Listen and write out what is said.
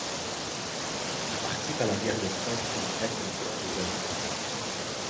Il participe à la guerre d'Espagne comme aide de camp de Wellington.